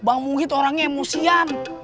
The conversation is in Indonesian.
bang muhyidd orangnya emosian